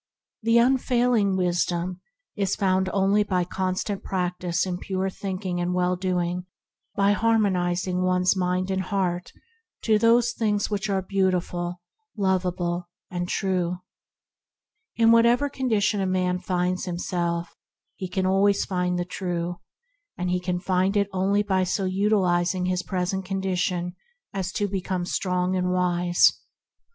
The Unfailing Wis dom is found only by constant practice in pure thinking and well doing; by harmon izing one's mind and heart to the things that are beautiful, lovable, and true In whatever condition a man finds himself, he can always find the True; and he can find it only by so utilizing his present condition as to become strong and wise.